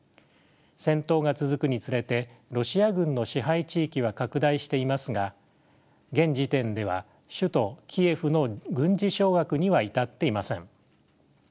戦闘が続くにつれてロシア軍の支配地域は拡大していますが現時点では首都キエフの軍事掌握には至っていません。